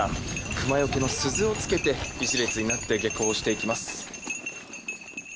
クマよけの鈴をつけて１列になって下校していきます。